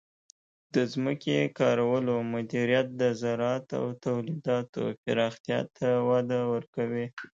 د ځمکې کارولو مدیریت د زراعت او تولیداتو پراختیا ته وده ورکوي.